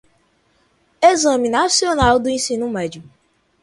Exame Nacional do Ensino Médio